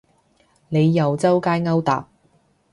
你又周街勾搭